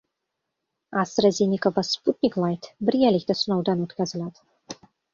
AstraZeneca va "Sputnik Layt" birgalikda sinovdan o‘tkziladi